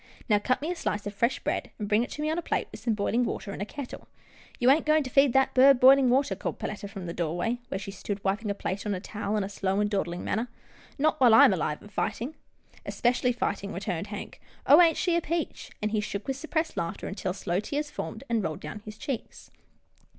" Now cut me a slice of fresh bread, and bring it to me on a plate, with some boiling water in a kettle." " You ain't goin' to feed that bird b'ilin' water," called Perletta from the doorway, where she stood wiping a plate on a towel in a slow and dawdling manner, " not while I'm alive and fightin'." " Especially fightin'," returned Hank, " oh, ain't she a peach !" and he shook with suppressed laugh ter, until slow tears formed and rolled down his cheeks.